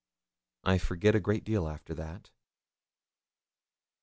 I forget a great deal after that.